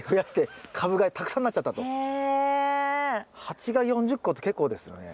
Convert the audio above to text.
鉢が４０個って結構ですよね。